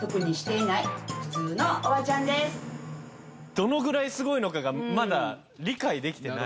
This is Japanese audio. どのぐらいすごいのかがまだ理解できてない。